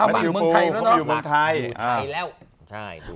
แมททิวปูอยู่เมืองไทย